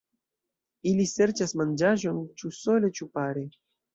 Ili serĉas manĝaĵon ĉu sole ĉu pare.